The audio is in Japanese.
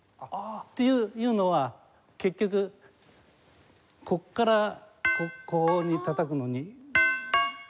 っていうのは結局ここからここにたたくのに。